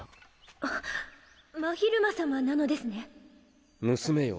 あっ真昼間さまなのです娘よ。